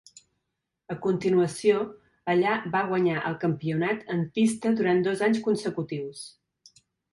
A continuació, allà va guanyar el campionat en pista durant dos anys consecutius.